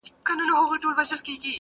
هم پر کور هم یې پر کلي شرمولې.